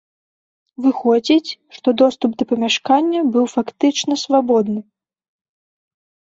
Выходзіць, што доступ да памяшкання быў фактычна свабодны.